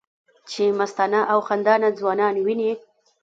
چې مستانه او خندانه ځوانان وینې